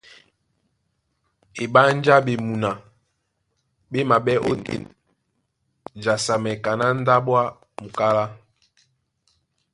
Eɓánjá ɓemuna ɓé maɓɛ́ ótên jasamɛ kaná ndáɓo a ́ mukálá.